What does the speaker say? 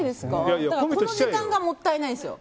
この時間がもったいないんですよ。